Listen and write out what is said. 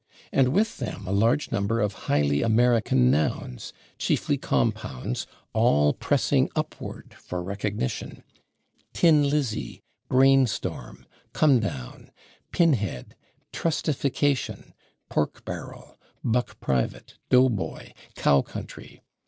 And with them, a large number of highly American nouns, chiefly compounds, all pressing upward for recognition: /tin Lizzie/, /brain storm/, /come down/, /pin head/, /trustification/, /pork barrel/, /buck private/, /dough boy/, /cow country